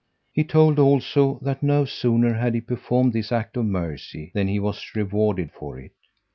He told, also, that no sooner had he performed this act of mercy than he was rewarded for it.